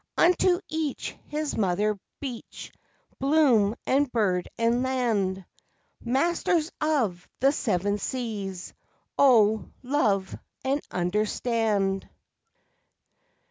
Unto each his mother beach, bloom and bird and land Masters of the Seven Seas, oh, love and understand!